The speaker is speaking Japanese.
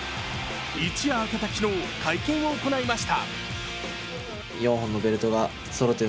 一夜明けた昨日、会見を行いました